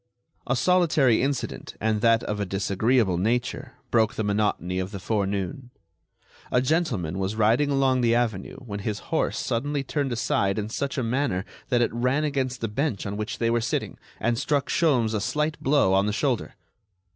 A solitary incident—and that of a disagreeable nature—broke the monotony of the forenoon. A gentleman was riding along the avenue when his horse suddenly turned aside in such a manner that it ran against the bench on which they were sitting, and struck Sholmes a slight blow on the shoulder.